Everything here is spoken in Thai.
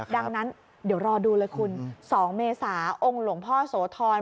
ดังนั้นเดี๋ยวรอดูเลยคุณ๒เมษาองค์หลวงพ่อโสธร